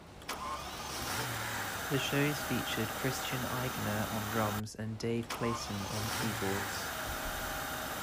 The shows featured Christian Eigner on drums and Dave Clayton on keyboards.